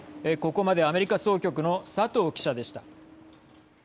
ここまでアメリカ総局の佐藤記者でした。